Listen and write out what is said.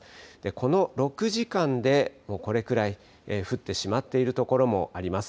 この６時間でこれくらい降ってしまっている所もあります。